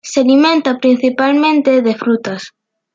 Se alimenta principalmente de frutas.